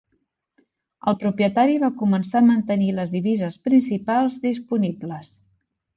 El propietari va començar a mantenir les divises principals disponibles.